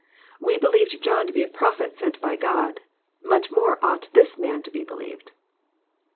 We believed John to be a prophet sent of God. Much more ought this roan to be believed."